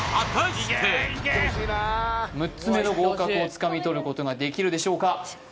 ６つ目の合格をつかみ取ることができるでしょうか？